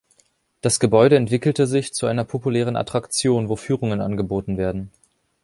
Das Gebäude entwickelte sich zu einer populären Attraktion, wo Führungen angeboten werden.